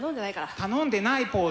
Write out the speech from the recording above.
頼んでないポーズ。